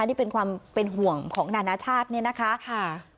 นี่เป็นความเป็นห่วงของนานาชาติเนี่ยนะคะ